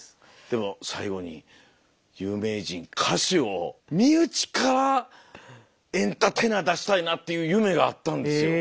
でも最後に有名人歌手を身内からエンターテイナー出したいなっていう夢があったんですよ。